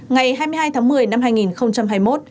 ngày hai mươi hai tháng một mươi năm hai nghìn hai mươi một